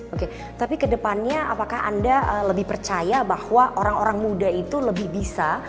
oke tapi kedepannya apakah anda lebih percaya bahwa orang orang muda itu lebih bisa